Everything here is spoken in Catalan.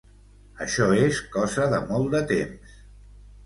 Això és cosa de molt de temps.